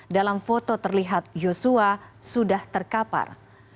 dalam foto terlihat yosua sudah terkapar